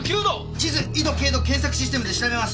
地図緯度経度検索システムで調べます。